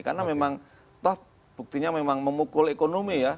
karena memang toh buktinya memang memukul ekonomi ya